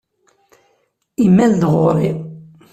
Imal-d ɣur-i.